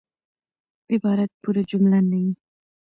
عبارت پوره جمله نه يي.